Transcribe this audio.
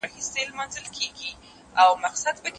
کله کله به یادیږي زما بوډۍ کیسې نیمګړي